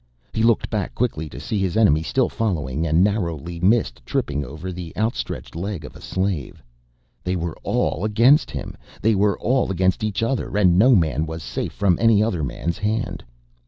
He looked back quickly to see his enemy still following and narrowly missed tripping over the outstretched leg of a slave. They were all against him! They were all against each other and no man was safe from any other man's hand.